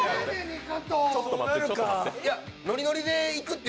ちょっと待って。